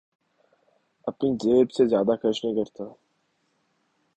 اپنی جیب سے زیادہ خرچ نہیں کرتا